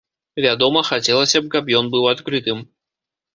Вядома, хацелася б, каб ён быў адкрытым.